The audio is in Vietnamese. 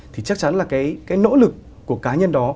thì chắc chắn là cái nỗ lực của cá nhân đó